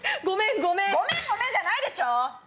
「ごめんごめん」じゃないでしょ！